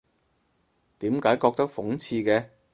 點解覺得諷刺嘅？